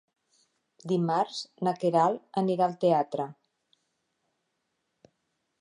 Dimarts na Queralt anirà al teatre.